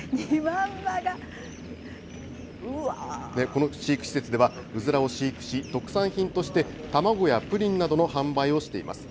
この飼育施設では、うずらを飼育し、特産品として卵やプリンなどの販売をしています。